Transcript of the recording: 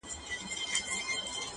نن مي خیال خمار خمار لکه خیام دی-